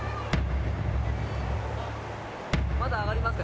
まだ上がりますか？